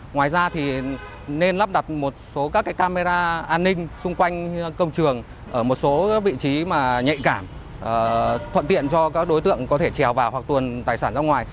ngoài ra thì nên lắp đặt một số các camera an ninh xung quanh công trường ở một số vị trí mà nhạy cảm thuận tiện cho các đối tượng có thể trèo vào hoặc tuần tài sản ra ngoài